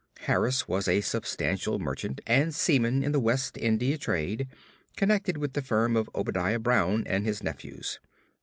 Harris was a substantial merchant and seaman in the West India trade, connected with the firm of Obadiah Brown and his nephews.